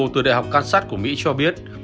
từ đại học can sát của mỹ cho biết